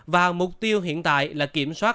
và mục tiêu hiện tại là kiểm soát